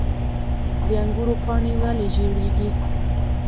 د انګورو پاڼې ولې ژیړیږي؟